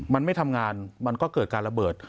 มันไม่ทำงานมันก็เกิดการระเบิด